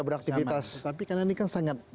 beraktivitas tapi karena ini kan sangat